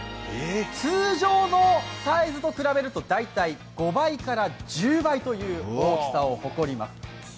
通常のサイズと比べると大体５倍から１０倍という大きさを誇ります。